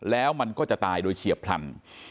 แล้วมันก็จะตายโดยเฉียบพลัน